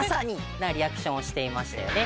なリアクションをしていましたよね。